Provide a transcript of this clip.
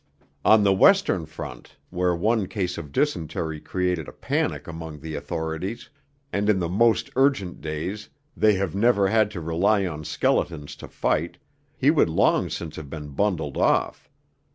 On the Western Front, where one case of dysentery created a panic among the authorities, and in the most urgent days they have never had to rely on skeletons to fight, he would long since have been bundled off.